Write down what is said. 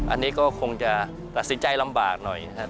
อันนี้ก็คงจะตัดสินใจลำบากหน่อยนะครับ